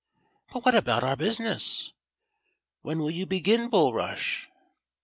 * But what about our business.'* When will you begin, Bulrush .